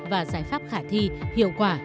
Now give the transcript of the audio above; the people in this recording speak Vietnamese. và giải pháp khả thi hiệu quả